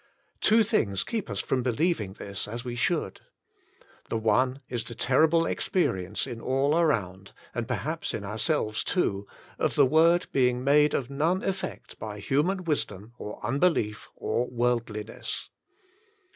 Two things keep us from believing this as we should. The one is the terrible experience in all around, and perhaps in ourselves too, of the word being made of none effect by human wisdom or unbelief or worldliness.